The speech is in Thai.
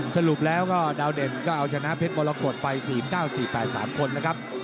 สรุปแล้วก็ดาวเด่นก็เอาชนะเพชรมรกฏไป๔๙๔๘๓คนนะครับ